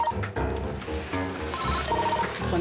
sampai jumpa lagi